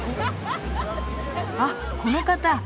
あっこの方。